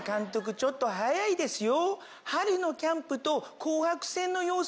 ちょっと早いですよ。